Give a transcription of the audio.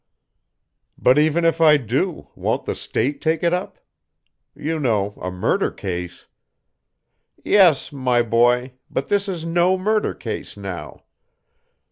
"But even if I do, won't the State take it up. You know a murder case " "Yes, my boy, but this is no murder case now.